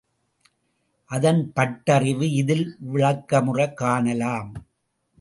அதன் பட்டறிவு இதில் விளக்கமுறக் காணலாம்.